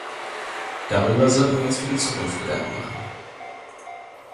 Darüber sollten wir uns für die Zukunft Gedanken machen.